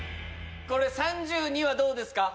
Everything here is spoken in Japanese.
これ３２はどうですか？